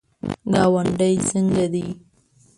ګاونډی څنګه دی؟